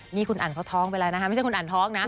นี่คุณอันเขาท้องไปแล้วนะคะไม่ใช่คุณอันท้องนะ